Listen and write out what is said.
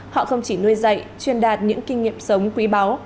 họ không chỉ nuôi dạy truyền đạt những kinh nghiệm sống quý báu